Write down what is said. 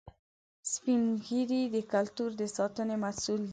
سپین ږیری د کلتور د ساتنې مسؤل دي